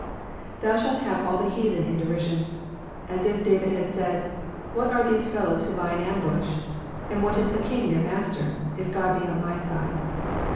'^Thou shalt have aU the heathen in derision,'''* As if David had said— What are these fellows who lie in ambush ! And what is the king their master, if God be on my side